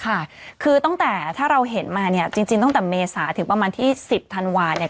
ค่ะคือตั้งแต่ถ้าเราเห็นมาเนี่ยจริงตั้งแต่เมษาถึงประมาณที่สิบธันวาเนี่ย